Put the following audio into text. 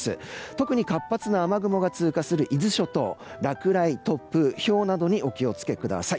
特に活発な雨雲が通過する伊豆諸島落雷、突風、ひょうなどにお気を付けください。